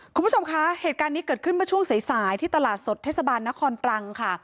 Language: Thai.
คุณผู้ชมคะเหตุการณ์นี้เกิดขึ้นเมื่อช่วงสายที่ตลาดสดเทศบาลนครตรังค่ะ